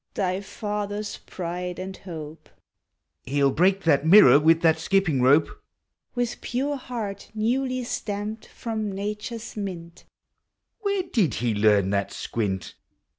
Thy father's pride and hope ! (lie '11 break that mirror with that skipping rope !) With pure heart newly stamped from nature's mint, (Where did he learn that squint?)